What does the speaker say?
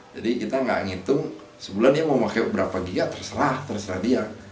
jadi kita nggak ngitung sebulan dia mau pakai berapa giga terserah terserah dia